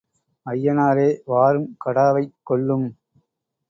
ஐயனாரே வாரும் கடாவைக் கொள்ளும்.